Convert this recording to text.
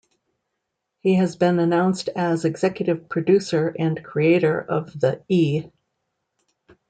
He has been announced as executive producer and creator of the E!